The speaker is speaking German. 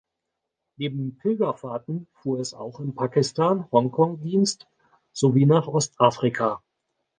Neben Pilgerfahrten fuhr es auch im Pakistan-Hongkong-Dienst sowie nach Ostafrika.